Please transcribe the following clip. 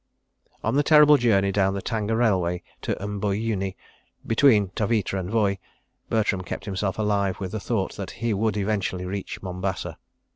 ... §2 On the terrible journey down the Tanga Railway to M'buyuni, between Taveta and Voi, Bertram kept himself alive with the thought that he would eventually reach Mombasa. .